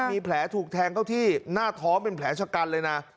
มีแผลถูกแทงเข้าที่หน้าท้องเป็นแผลชะกันเลยนะ